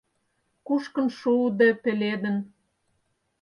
Кушкын шуыде пеледын